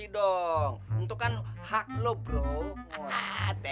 lu kenal gue kagak